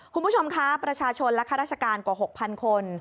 คุณผู้ชมคะประชาชนและข้าราชการกว่า๖๐๐คน